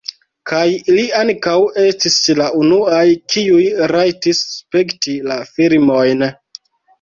Kaj ili ankaŭ estis la unuaj, kiuj rajtis spekti la filmojn.